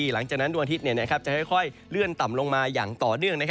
หลังจากนั้นดวงอาทิตย์จะค่อยเลื่อนต่ำลงมาอย่างต่อเนื่อง